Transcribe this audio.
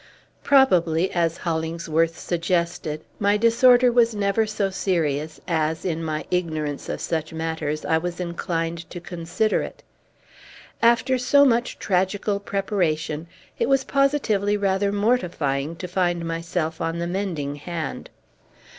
Probably, as Hollingsworth suggested, my disorder was never so serious as, in my ignorance of such matters, I was inclined to consider it. After so much tragical preparation, it was positively rather mortifying to find myself on the mending hand.